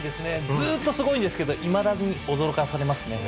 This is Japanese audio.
ずっとすごいんですけど、いまだに驚かされますね。